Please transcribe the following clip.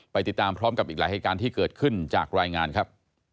ติดตามพร้อมกับอีกหลายเหตุการณ์ที่เกิดขึ้นจากรายงานครับ